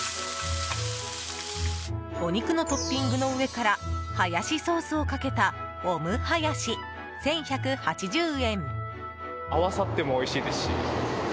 お肉のトッピングの上からハヤシソースをかけたオムハヤシ、１１８０円。